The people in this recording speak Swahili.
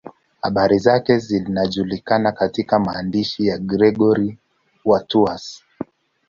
Habari zake zinajulikana katika maandishi ya Gregori wa Tours.